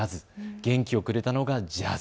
元気をくれたのがジャズ。